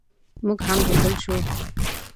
موږ هم دخول شوو.